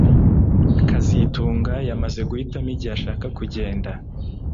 kazitunga yamaze guhitamo igihe ashaka kugenda